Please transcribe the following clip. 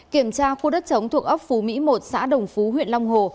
kiểm tra khu đất chống thuộc ấp phú mỹ một xã đồng phú huyện long hồ